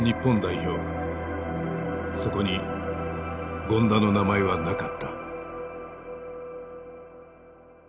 そこに権田の名前はなかった。